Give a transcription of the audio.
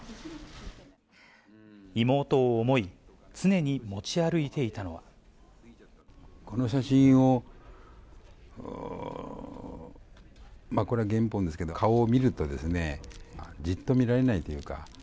妹を思い、この写真を、これは原本ですけど、顔を見るとですね、じっと見られないというか。